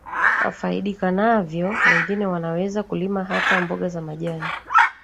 afaidika navyo wengine wanaweza kulima hata mboga za majani